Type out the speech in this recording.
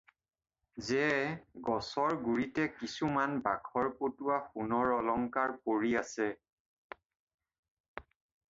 যে গছৰ গুৰিতে কিছুমান বাখৰপতোৱা সোণৰ অলংকাৰ পৰি আছে।